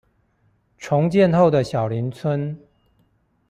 重建後的小林村